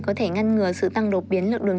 có thể ngăn ngừa sự tăng đột biến lượng đường